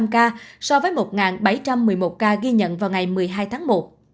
hai bốn trăm linh ca so với một bảy trăm một mươi một ca ghi nhận vào ngày một mươi hai tháng một